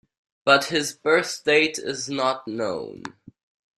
But his birth date is not known.